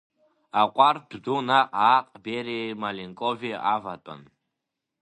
Аҟәардә ду наҟ-ааҟ Бериеи Маленкови аватәан.